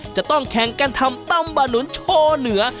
จะต้องแข่งกันทำตำบะหนุนโชว์เหนือ